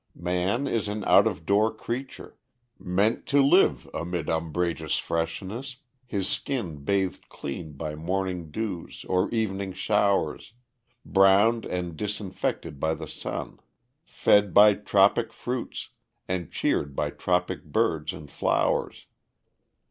Man is an out of door creature, meant to live amid umbrageous freshness, his skin bathed clean by morning dews or evening showers, browned and disinfected by the sun, fed by tropic fruits, and cheered by tropic birds and flowers.